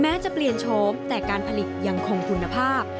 แม้จะเปลี่ยนโชมแต่การผลิตอย่างคงกลุ่นภาพ